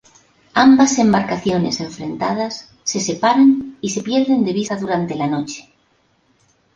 Ambas embarcaciones enfrentadas se separan y se pierden de vista durante la noche.